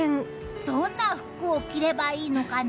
どんな服を着ればいいのかな？